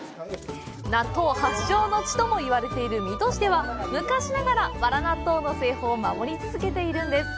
納豆発祥の地とも言われている水戸市では、昔ながら「わら納豆」の製法を守り続けているんです。